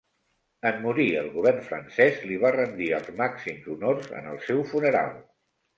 En morir el Govern francès li va rendir els màxims honors en el seu funeral.